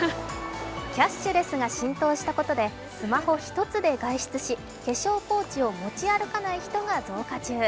キャッシュレスが浸透したことで、スマホ一つで外出し、化粧ポーチを持ち歩かない人が増加中。